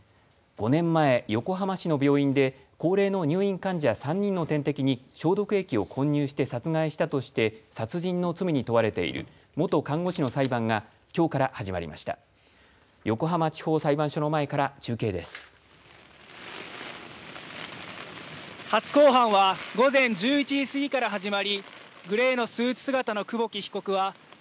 ５年前、横浜市の病院で高齢の入院患者３人の点滴に消毒液を混入して殺害したとして殺人の罪に問われている元看護師の裁判がきょうから始まりました。